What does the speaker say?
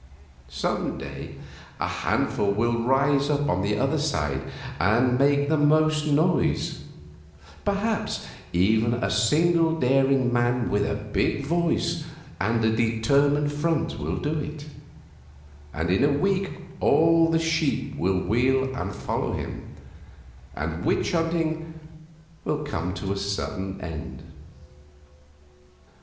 Some day a handful will rise up on the other side and make the most noise perhaps even a single daring man with a big voice and a determined front will do it and in a week all the sheep will wheel and follow him, and witch hunting will come to a sudden end.